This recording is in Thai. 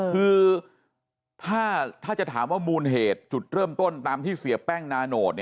คือถ้าจะถามว่ามูลเหตุจุดเริ่มต้นตามที่เสียแป้งนาโนต